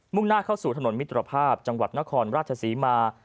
่งหน้าเข้าสู่ถนนมิตรภาพจังหวัดนครราชศรีมา